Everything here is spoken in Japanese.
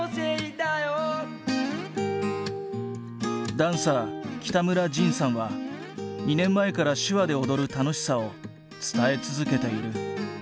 ダンサー北村仁さんは２年前から手話で踊る楽しさを伝え続けている。